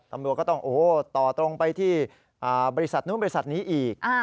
ตำรวจก็ต้องต่อตรงไปที่บริษัทนู้นบริษัทนี้อีก